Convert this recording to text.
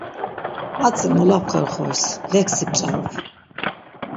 Atzi molapxer oxoris, leksi p̆ç̆arup.